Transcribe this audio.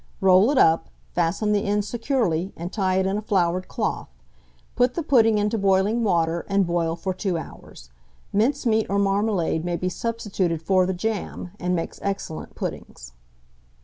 Roll it up, fasten the ends securely, and tie it in a floured cloth; put the pudding into boiling water, and boil for 2 hours. Mincemeat or marmalade may be substituted for the jam, and makes excellent puddings.